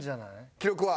記録は？